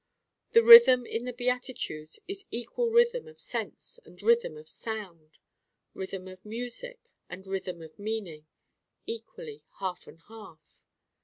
The Rhythm in the Beatitudes is equal Rhythm of sense and Rhythm of sound: Rhythm of music and Rhythm of meaning. Equally, half and half.